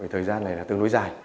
thời gian này là tương đối dài